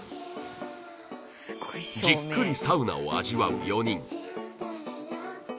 じっくりサウナを味わう４人